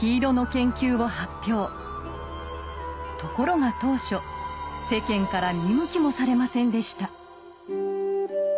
ところが当初世間から見向きもされませんでした。